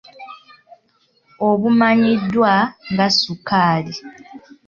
Obumanyiddwa nga sukaali.